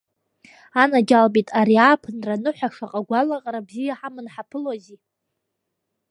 Анаџьалбеит, ари ааԥынра аныҳәа шаҟа гәалаҟара бзиа ҳаманы ҳаԥылози!